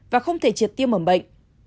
và không thể triệt tiêm mẩm bệnh